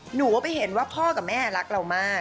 หนูก็ไปเห็นว่าพ่อกับแม่รักเรามาก